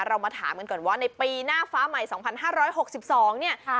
เรามาถามกันก่อนว่าในปีหน้าฟ้าใหม่สองพันห้าร้อยหกสิบสองเนี่ยค่ะ